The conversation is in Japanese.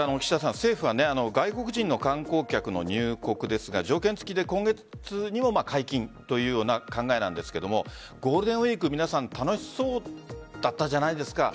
政府は外国人の観光客の入国ですが条件付きで今月にも解禁というような考えなんですがゴールデンウイーク、皆さん楽しそうだったじゃないですか。